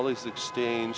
và truyền thống